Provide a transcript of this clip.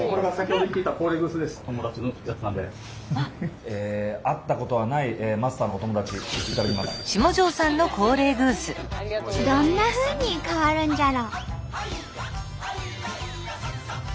どんなふうに変わるんじゃろ？